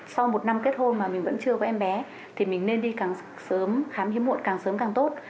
sau một năm kết hôn mà mình vẫn chưa có em bé thì mình nên đi càng sớm khám hiếm muộn càng sớm càng tốt